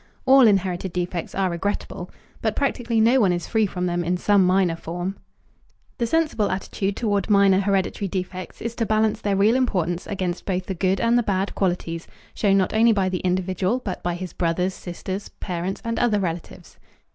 All inherited defects are regrettable, but practically no one is free from them in some minor form. The sensible attitude toward minor hereditary defects is to balance their real importance against both the good and the bad qualities shown not only by the individual but by his brothers, sisters, parents, and other relatives.